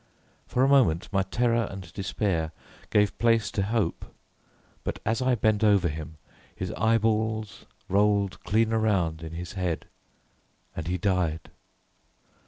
For a moment my terror and despair gave place to hope, but as I bent over him his eyeballs rolled clean around in his head, and he died.